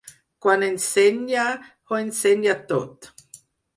Quan ensenya, ho ensenya tot.